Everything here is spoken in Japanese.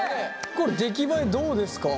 これ出来栄えどうですか？